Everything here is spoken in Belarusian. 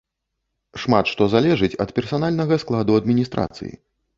Шмат што залежыць ад персанальнага складу адміністрацыі.